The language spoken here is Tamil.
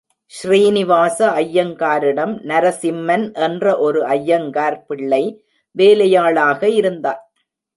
ஸ்ரீனிவாச ஐயங்காரிடம் நரசிம்மன் என்ற ஒரு ஐயங்கார் பிள்ளை வேலையாளாக இருந்தான்.